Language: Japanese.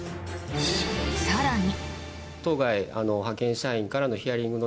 更に。